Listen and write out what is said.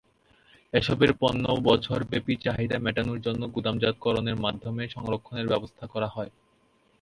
এসব পণ্যের বছরব্যাপী চাহিদা মেটানোর জন্য গুদামজাতকরণের মাধ্যমে সংরক্ষণের ব্যবস্থা করা হয়।